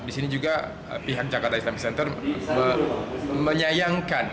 di sini juga pihak jakarta islamic center menyayangkan